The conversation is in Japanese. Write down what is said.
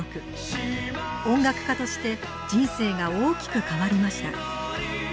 音楽家として人生が大きく変わりました。